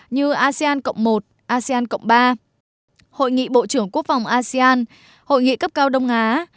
như asean một asean ba hội nghị bộ trưởng quốc phòng asean hội nghị cấp cao đông á